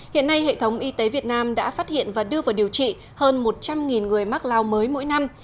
hiện nay hệ thống y tế việt nam đã phát hiện và đưa vào điều trị hơn một trăm linh người mắc lao mới mỗi năm